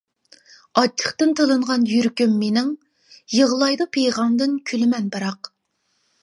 ئاچچىقتىن تىلىنغان يۈرىكىم مېنىڭ، يىغلايدۇ پىغاندىن كۈلىمەن بىراق.